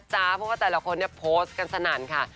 เพราะว่าแต่ละคนเนี่ยโพสต์กันสนั่นค่ะ